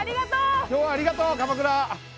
今日はありがとう鎌倉！